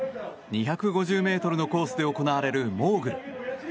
２５０ｍのコースで行われるモーグル。